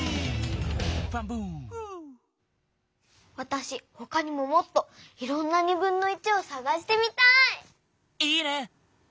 フウー！わたしほかにももっといろんなをさがしてみたい！いいね。